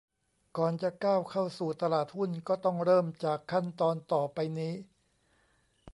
ก่อนจะก้าวเข้าสู่ตลาดหุ้นก็ต้องเริ่มจากขั้นตอนต่อไปนี้